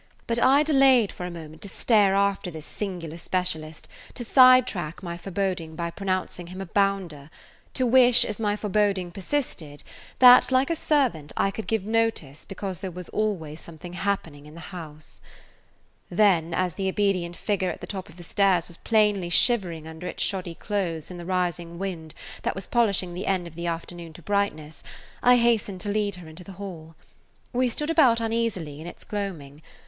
But I delayed for a moment to stare after this singular specialist, to sidetrack my foreboding by pronouncing him a bounder, to wish, as my foreboding persisted, that like a servant I could give notice because there was "always something happening in the house." Then, as the obedient figure at the top of the stairs was plainly shivering under its shoddy clothes in the rising wind that was polishing the end of the afternoon to brightness, I hastened to lead her into the hall. We stood about uneasily in its gloaming.